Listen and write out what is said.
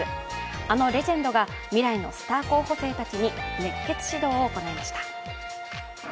あのレジェンドが未来のスター候補生たちに熱血指導を行いました。